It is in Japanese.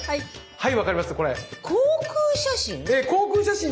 はい。